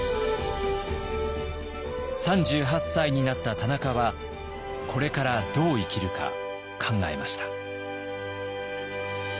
３８歳になった田中はこれからどう生きるか考えました。